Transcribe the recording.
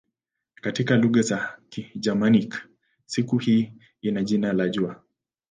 Katika lugha za Kigermanik siku hii ina jina la "jua".